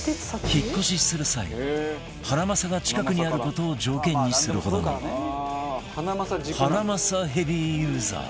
引っ越しする際ハナマサが近くにある事を条件にするほどのハナマサヘビーユーザー